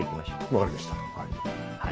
分かりましたはい。